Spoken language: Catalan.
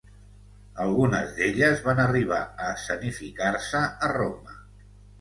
Algunes d'elles van arribar a escenificar-se a Roma.